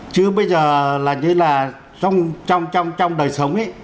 chứ bây giờ là như là trong đời sống